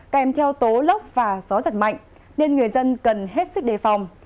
kèm theo tố lốc và gió giật mạnh nên người dân cần hết sức đề phòng